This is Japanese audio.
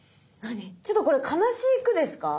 ちょっとこれ悲しい句ですか？